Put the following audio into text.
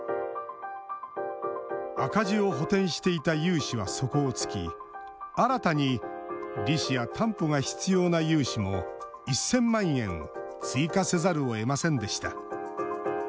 赤字を補填していた融資は底をつき新たに利子や担保が必要な融資も１０００万円追加せざるをえませんでした。